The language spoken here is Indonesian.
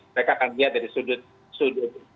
mereka akan lihat dari sudut sudut